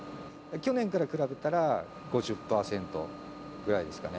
去年から比べたら、５０％ぐらいですかね。